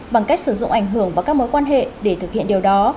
bằng cách sử dụng ảnh hưởng và các mối quan hệ để thực hiện điều đó